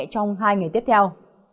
trong hai ngày tiếp theo